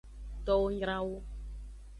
Towo nyra wu.